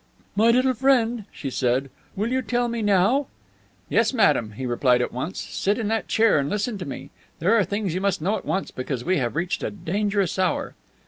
"My little friend," she said, "will you tell me now?" "Yes, madame," he replied at once. "Sit in that chair and listen to me. There are things you must know at once, because we have reached a dangerous hour."